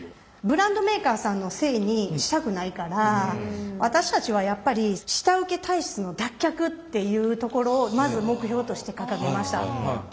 ブランドメーカーさんのせいにしたくないから私たちはやっぱり下請け体質の脱却っていうところをまず目標として掲げました。